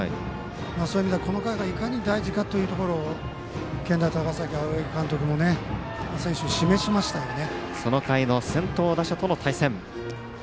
そういう意味では、この回がいかに大事かというところを健大高崎、青柳監督も選手も示しましたよね。